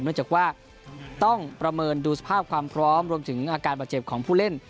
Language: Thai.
เนื่องจากว่าต้องประเมินดูสภาพความพร้อมรวมถึงอาการบาดเจ็บของผู้เล่น